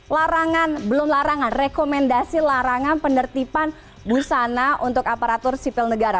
larangan belum larangan rekomendasi larangan penertiban busana untuk aparatur sipil negara